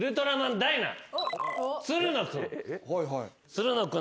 つるの君。